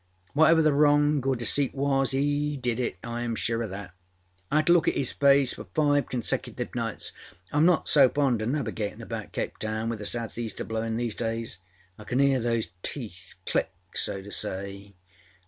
Whatever the wrong or deceit was, he did it, Iâm sure oâ that. I âad to look at âis face for five consecutive nights. Iâm not so fond oâ navigatinâ about Cape Town with a South Easter blowinâ these days. I can hear those teeth click, so to say.